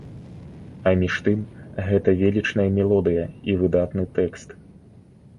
А між тым, гэта велічная мелодыя і выдатны тэкст.